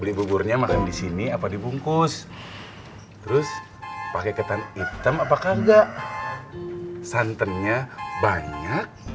beli buburnya makan di sini apa dibungkus terus pakai ketan hitam apakah enggak santannya banyak